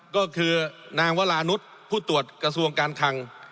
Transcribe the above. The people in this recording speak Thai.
ก็คือนางวรานุษย์ผู้ตรวจกระทรวงการคัง